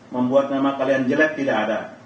membuat nama kalian jelek tidak ada